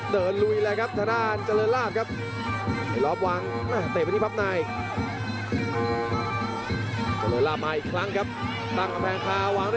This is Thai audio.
เตะไปที่พับหน่อย